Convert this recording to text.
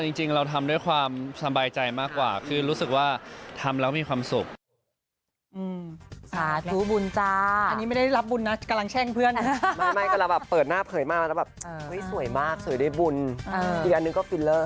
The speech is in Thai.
แต่ว่าเราเลยทำสำบายใจมากกว่าคือรู้สึกว่าทำเราก็มีความสุข